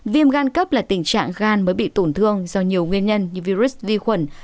viêm gan cấp là tình trạng gan mới bị tổn thương do nhiều nguyên nhân như virus vi khuẩn